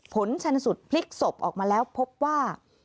ชันสุดพลิกศพออกมาแล้วพบว่า